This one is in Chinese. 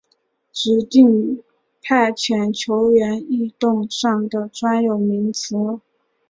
指定派遣球员异动上的专有名词。